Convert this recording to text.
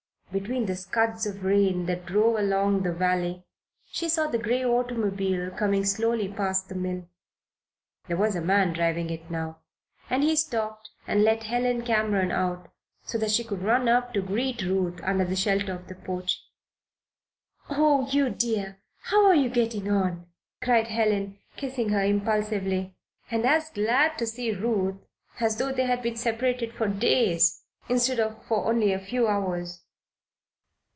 Between the scuds of rain that drove along the valley she saw the gray automobile coming slowly past the mill. There was a man driving it now, and he stopped and let Helen Cameron out so that she could run up to great Ruth under the shelter of the porch. "Oh, you dear! How are you getting on?" cried Helen, kissing her impulsively and as glad to see Ruth as though they had been separated for days instead of for only a few hours.